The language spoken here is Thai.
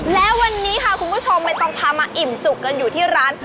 และวันนี้ค่ะคุณผู้ชมไม่ต้องพามาอิ่มจุกกันอยู่ที่ร้าน